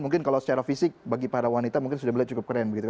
mungkin kalau secara fisik bagi para wanita mungkin sudah melihat cukup keren begitu